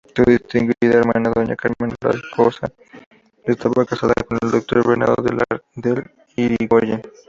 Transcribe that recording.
Su distinguida hermana Doña Carmen Olascoaga estaba casada con el Doctor Bernardo de Irigoyen.